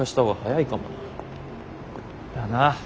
だな。